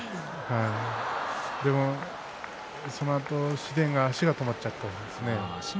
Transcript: でも、そのあと紫雷が足が止まっちゃったんですね。